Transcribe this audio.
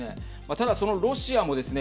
ただ、そのロシアもですね